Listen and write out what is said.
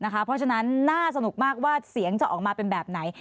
เพราะฉะนั้นน่าสนุกมากว่าเสียงจะออกมาเป็นแบบไหน